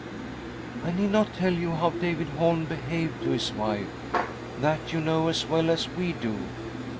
" I need not tell you how David Holm behaved to his wife — that you know as well as we do.